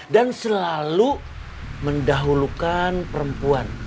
dan selalu mendahulukan perempuan